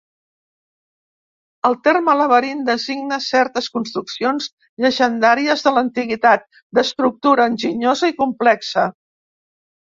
El terme laberint designa certes construccions llegendàries de l'antiguitat, d'estructura enginyosa i complexa.